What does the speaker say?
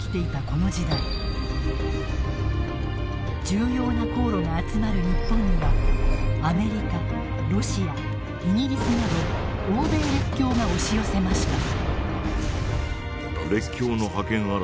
重要な航路が集まる日本にはアメリカロシアイギリスなど欧米列強が押し寄せました。